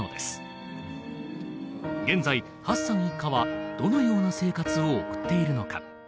現在ハッサン一家はどのような生活を送っているのか？